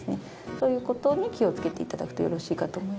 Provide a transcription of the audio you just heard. そういう事に気をつけて頂くとよろしいかと思います。